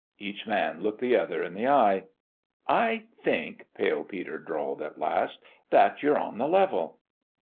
Each man looked the other in the eye. "I think," Pale Peter drawled, at last, "that you're on the level."